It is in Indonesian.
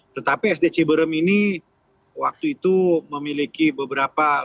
tetapi sd ciberem ini waktu itu memiliki beberapa